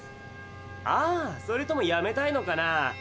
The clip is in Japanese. ああそれともやめたいのかな？